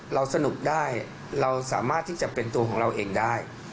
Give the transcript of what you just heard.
เราสนุกได้เราสามารถที่จะเป็นตัวของเราเองได้